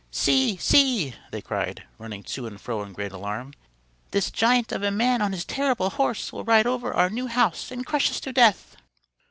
"See, see!" they cried, running to and fro in great alarm. "This giant of a man on his terrible horse will ride over our new house and crush us to death."